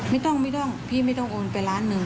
ไม่ต้องไม่ต้องพี่ไม่ต้องโอนไปล้านหนึ่ง